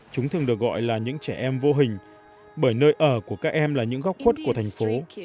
chúng thường được gọi là những trẻ em vô hình bởi nơi ở của các em là những góc khuất của thành phố